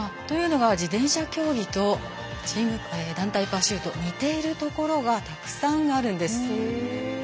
というのは、自転車競技と団体パシュート似ているところがたくさんあるんです。